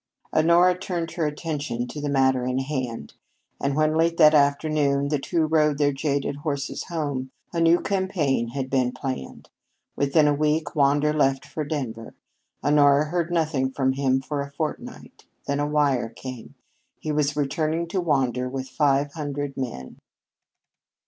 Honora turned her attention to the matter in hand, and when, late that afternoon, the two rode their jaded horses home, a new campaign had been planned. Within a week Wander left for Denver. Honora heard nothing from him for a fortnight. Then a wire came. He was returning to Wander with five hundred men.